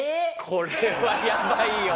これはやばいよ。